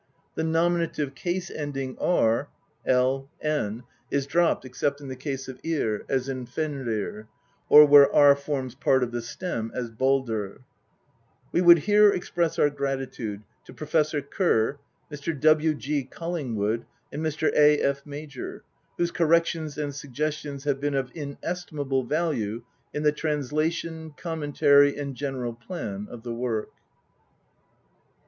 The nominative case ending V ('/,''') is dropped except in the case of 'tV as Fenrir ; or where V forms part of the stem as Baldr. We would here express our gratitude to Prof. Ker, Mr. W. G. Collingwood, and Mr. A. F. Major, whose corrections and suggestions have been of inestimable value in the translation, commentary, and general plan of the work.